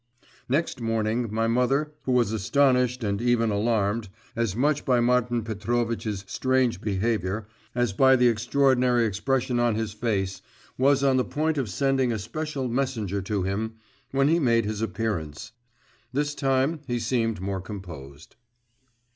Next morning my mother, who was astonished and even alarmed, as much by Martin Petrovitch's strange behaviour as by the extraordinary expression of his face, was on the point of sending a special messenger to him, when he made his appearance. This time he seemed more composed.